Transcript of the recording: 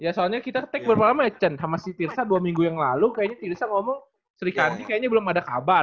ya soalnya kita tag berapa lama ya cen sama si tirsa dua minggu yang lalu kayaknya tirsa ngomong sri kandi kayaknya belum ada kabar